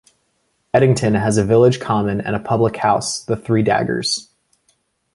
Edington has a village common and a public house, the "Three Daggers".